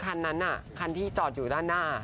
ขันรถครั้นนั้นะครั้นที่จอดอยู่ด้านหน้า